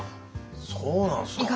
そうなんすか？